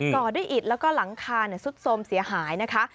่อด้วยอิดแล้วก็หลังคาซุดสมเสียหายนะคะ